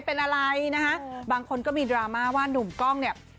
เป็นอะไรนะคะบางคนก็มีดราม่าว่านุ่มกล้องเนี่ย